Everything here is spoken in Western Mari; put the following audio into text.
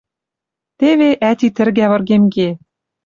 Теве ӓти тӹргӓ выргемге...